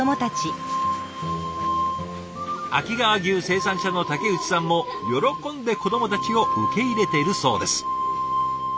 秋川牛生産者の竹内さんも喜んで子どもたちを受け入れているそうです。